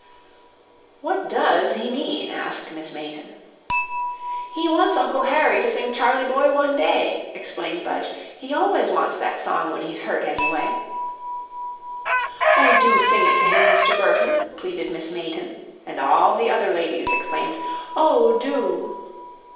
"What DOES he mean?" asked Miss Mayton. "He wants Uncle Harry to sing, 'Charley boy one day,'" explained Budge; "he always wants that song when he's hurt any way." "Oh, do sing it to him, Mr. Burton," pleaded Miss Mayton; and all the other ladies exclaimed, "Oh, do!"